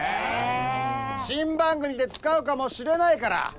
新番組で使うかもしれないから！ね！